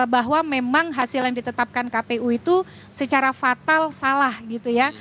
bahwa memang hasil yang ditetapkan kpu itu secara fatal salah gitu ya